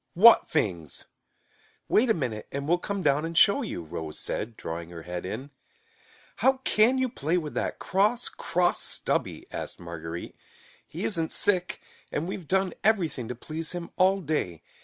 "What fings?" "Wait a minute and we'll come down and show you," Rose said, drawing her head in. "How can you play with that cross, cross Stubby?" asked Marguerite. "He isn't sick, and we've done everything to please him all day.